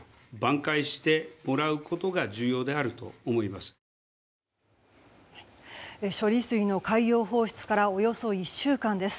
夕方、岸田総理は。処理水の海洋放出からおよそ１週間です。